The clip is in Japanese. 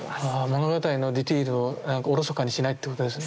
物語のディテールをおろそかにしないってことですね。